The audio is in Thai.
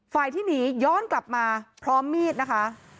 ที่หนีย้อนกลับมาพร้อมมีดนะคะ